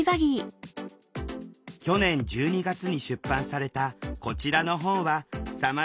去年１２月に出版されたこちらの本はさまざまな形で展開。